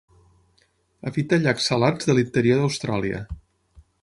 Habita llacs salats de l'interior d'Austràlia.